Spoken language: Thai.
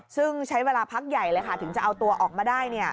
ซึ่งใช้เวลาพักใหญ่เลยค่ะถึงจะเอาตัวออกมาได้